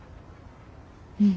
うん。